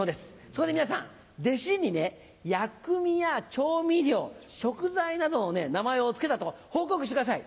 そこで皆さん弟子にね薬味や調味料食材などの名前を付けたと報告してください。